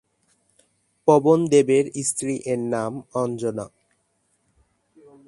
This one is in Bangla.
পবন দেবের স্ত্রী এর নাম অঞ্জনা।